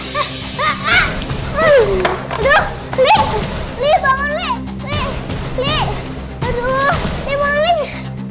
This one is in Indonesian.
jangan lupa like subscribe chanel ini